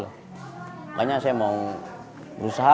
makanya saya mau berusaha